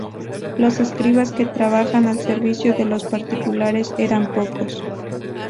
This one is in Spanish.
Los escribas que trabajaran al servicio de los particulares eran pocos.